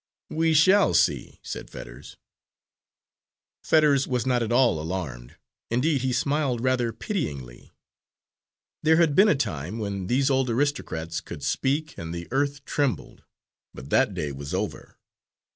"We shall see," said Fetters. Fetters was not at all alarmed, indeed he smiled rather pityingly. There had been a time when these old aristocrats could speak, and the earth trembled, but that day was over.